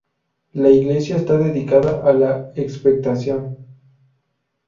La iglesia está dedicada a La Expectación.